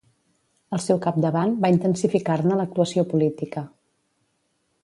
Al seu capdavant, va intensificar-ne l'actuació política.